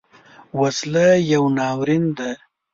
وسله یو ناورین دی